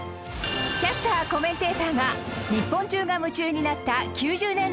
キャスターコメンテーターが日本中が夢中になった９０年代のニュース